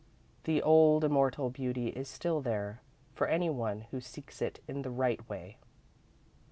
The old, immortal beauty is still there, for any one who seeks it in the right way.